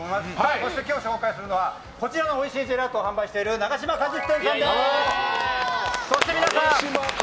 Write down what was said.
そして今日紹介するのはおいしいジェラートを販売している永島果実店です！